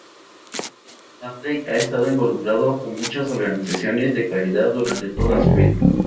Bradley ha estado involucrado con muchas organizaciones de caridad durante toda su vida.